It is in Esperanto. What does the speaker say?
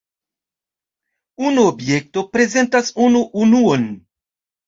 Unu objekto prezentas unu unuon.